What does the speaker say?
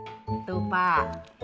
dan stamina juga tetap terjaga pak